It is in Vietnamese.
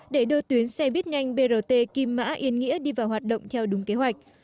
để đưa tuyến xe buýt nhanh brt kim mã yên nghĩa đi vào hoạt động theo đúng kế hoạch